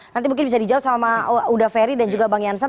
nanti mungkin bisa dijawab sama udaferi dan juga bang yansen